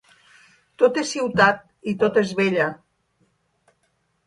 Tot és ciutat i tota és vella.